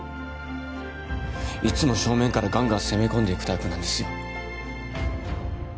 いつも正面からガンガン攻め込んでいくタイプなんですよ